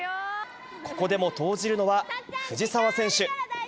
ここでも投じるのは藤澤選手。